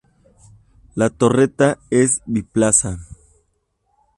La torreta es biplaza.